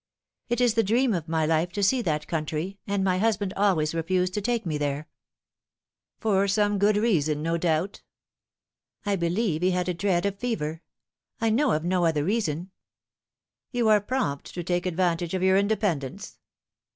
" It is the dream of my life to see that country, and my hus band always refused to take me there." 172 The Fatal Three. " For some good reason, no doubt." " I believe he bad a dread of fever. I know of no other reason." " You are prompt to take advantage of your independence."